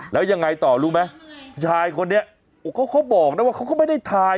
แล้วยังไงต่อรู้ไหมชายคนนี้เขาบอกนะว่าเขาก็ไม่ได้ถ่าย